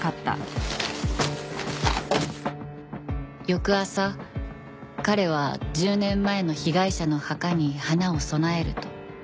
翌朝彼は１０年前の被害者の墓に花を供えると。